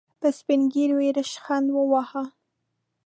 په سپين ږيرو يې ريشخند وواهه.